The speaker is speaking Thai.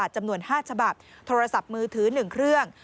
จำนวน๕ฉบับโทรศัพท์มือถือ๑เครื่อง